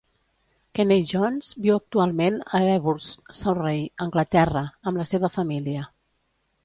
Kenney Jones viu actualment a Ewhurst, Surrey, Anglaterra, amb la seva família.